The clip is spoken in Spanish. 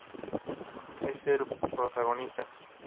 Es el protagonista.